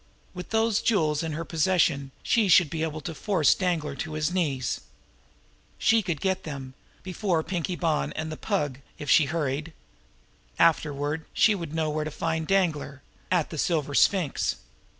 With those jewels in her possession she should be able to force Danglar to his knees. She could get them before Pinkie Bonn and the Pug if she hurried. Afterward she would know where to find Danglar at the Silver Sphinx.